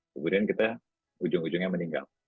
kemudian kita ujung ujungnya meninggal